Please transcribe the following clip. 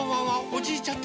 おじいちゃん